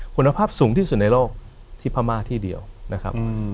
คุณภาพสูงที่สุดในโลกที่พม่าที่เดียวนะครับ